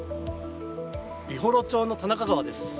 美幌町の田中川です。